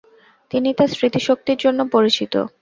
তিনি তার স্মৃতিশক্তির জন্য পরিচিত।